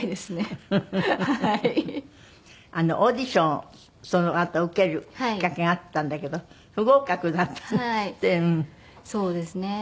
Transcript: オーディションをそのあと受けるきっかけがあったんだけど不合格だったんですって？